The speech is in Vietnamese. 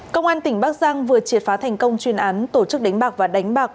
công an tỉnh bắc giang vừa triệt phá thành công chuyên án tổ chức đánh bạc và đánh bạc